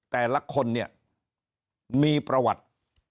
แต่ละคนเนี่ยมีประวัติ